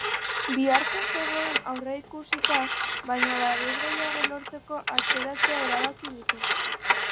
Biharko zegoen aurreikusita, baina babes gehiago lortzeko atzeratzea erabaki dute.